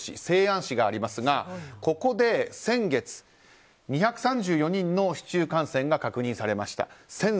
西安市がありますがここで先月２３４人の市中感染が確認されました。